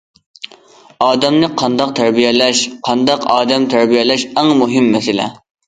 ئادەمنى قانداق تەربىيەلەش، قانداق ئادەم تەربىيەلەش ئەڭ مۇھىم مەسىلە.